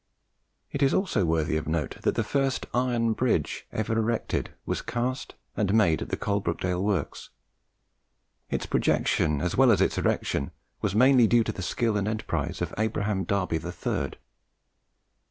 It is also worthy of note that the first iron bridge ever erected was cast and made at the Coalbrookdale Works its projection as well as its erection being mainly due to the skill and enterprise of Abraham Darby the third.